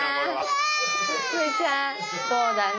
そうだね。